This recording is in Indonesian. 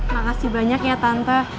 makasih banyak ya tante